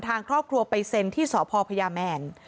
ทางครอบครัวไปเซ็นที่สพพญาแมน